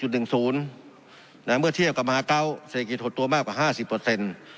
เมื่อเทียบกับมหาเกาเศรษฐกิจหดตัวมากกว่าห้าสิบเปอร์เซ็นต์